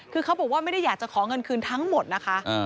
คือเขาบอกว่าไม่ได้อยากจะขอเงินคืนทั้งหมดนะคะ